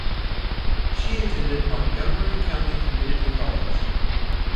She attended Montgomery County Community College.